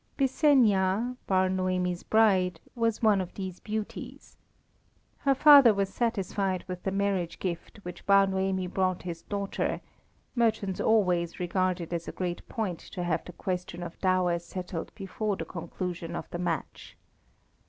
Byssenia, Bar Noemi's bride, was one of these beauties. Her father was satisfied with the marriage gift which Bar Noemi brought his daughter; merchants always regard it as a great point to have the question of dower settled before the conclusion of the match.